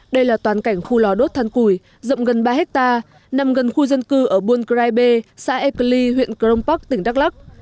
đây là toàn cảnh khu lò đốt than củi rộng gần ba hectare nằm gần khu dân cư ở buôn krai bê xã ekeli huyện crong pak tỉnh đắk lắk